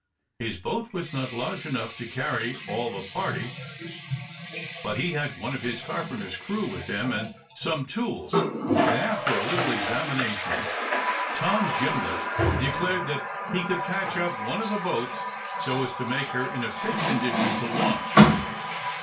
His boat was not large enough to carry all the party, but he had one of the carpenter's crew with him, and some tools; and, after a little examination, Tom Gimlett declared that he could patch up one of the boats so as to make her in a fit condition to launch.